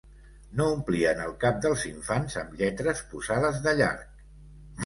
No omplien el cap dels infants am lletres posades de llarg